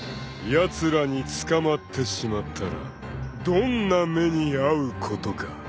［やつらに捕まってしまったらどんな目に遭うことか］